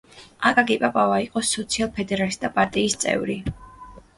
აკაკი პაპავა იყო სოციალისტ–ფედერალისტთა პარტიის წევრი.